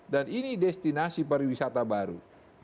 ini destinasi pariwisata baru